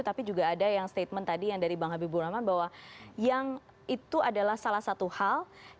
tapi juga ada yang statement tadi yang dari bang habibur rahman bahwa yang itu adalah salah satu hal